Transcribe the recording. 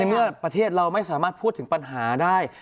เมื่อประเทศเราไม่สามารถพูดถึงปัญหาได้